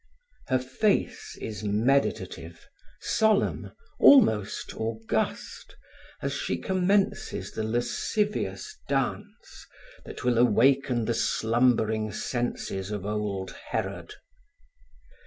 Her face is meditative, solemn, almost august, as she commences the lascivious dance that will awaken the slumbering senses of old Herod.